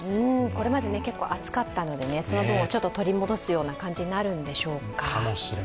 これまで結構暑かったので、その分を取り戻すような感じになるのでしょうか。